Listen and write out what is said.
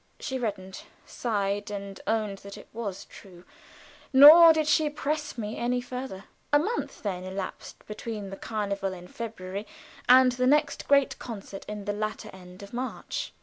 She reddened, sighed, and owned that it was true; nor did she press me any further. A month, then, elapsed between the carnival in February and the next great concert in the latter end of March.